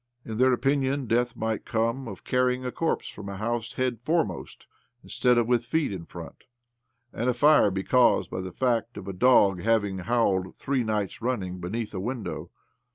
In their opinion,, death might come of carrying a corpse from a house head fore most instead of with feet in front, and a fire be caused by the fact of a dog having howled, 8 114 OBLOMOV three nights running^ beneath a window.